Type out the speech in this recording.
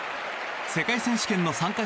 世界選手権の参加